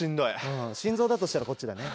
うん心臓だとしたらこっちだね。